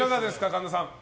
神田さん。